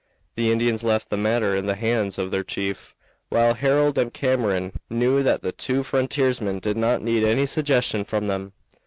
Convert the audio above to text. The Indians left the matter in the hands of their chief, while Harold and Cameron knew that the two frontiersmen did not need any suggestion from them.